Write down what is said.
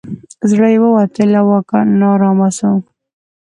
زړه یې ووتی له واکه نا آرام سو